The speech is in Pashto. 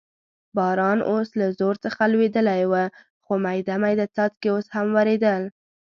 باران اوس له زور څخه لوېدلی و، خو مېده مېده څاڅکي اوس هم ورېدل.